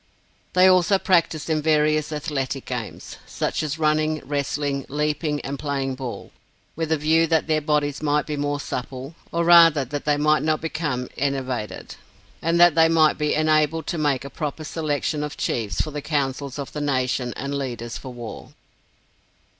They also practised in various athletic games, such as running, wrestling, leaping, and playing ball, with a view that their bodies might be more supple, or rather that they might not become enervated, and that they might be enabled to make a proper selection of Chiefs for the councils of the nation and leaders for war.